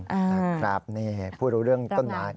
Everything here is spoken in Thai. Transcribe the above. ครับพูดเรื่องต้นไม้